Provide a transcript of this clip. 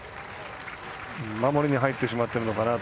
守りに入ってしまってるのかなと。